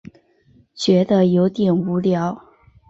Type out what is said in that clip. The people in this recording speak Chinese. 觉得有点无聊